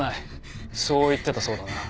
そう言ってたそうだな？